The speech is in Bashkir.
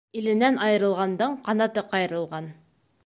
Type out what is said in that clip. Иленән айырылғандың ҡанаты ҡайырылған.